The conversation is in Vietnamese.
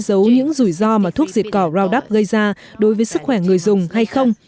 giấu những rủi ro mà thuốc diệt cỏ raudap gây ra đối với sức khỏe người dùng hay không